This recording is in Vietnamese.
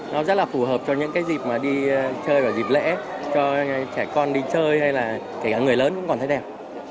nó rất là phù hợp cho những dịp mà đi chơi vào dịp lễ cho trẻ con đi chơi hay là trẻ người lớn cũng còn thấy đẹp